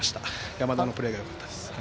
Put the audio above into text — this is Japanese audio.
山田のプレーがよかったです。